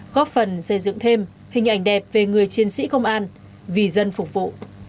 công an vì dân phục vụ